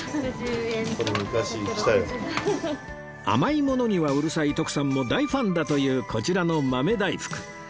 甘いものにはうるさい徳さんも大ファンだというこちらの豆大福